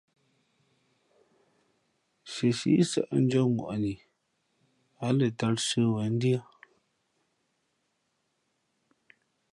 Nsiesi sαʼ ndʉ̄ᾱŋwαni ǎ lαtāl sə̌wen ndʉ́ά.